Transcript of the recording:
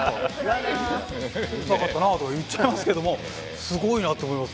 「うるさかったなあ」とか言っちゃいますけどもすごいなと思います